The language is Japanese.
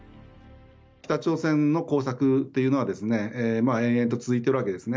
北朝鮮の工作というのは、延々と続いているわけですね。